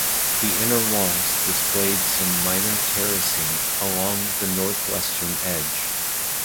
The inner walls display some minor terracing along the northwestern edge.